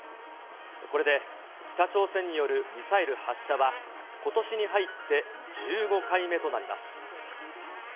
これで北朝鮮によるミサイル発射はことしに入って１５回目となります。